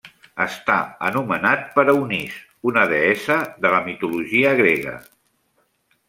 Està anomenat per Eunice, una deessa de la mitologia grega.